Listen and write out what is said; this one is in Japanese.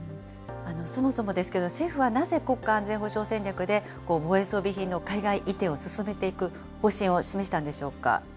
そもそもですけど、政府はなぜ、国家安全保障戦略で、防衛装備品の海外移転を進めていく方針を示したんでしょうか。